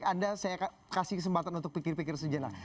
anda saya kasih kesempatan untuk pikir pikir sejenak